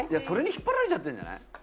それに引っ張られちゃってるんじゃない。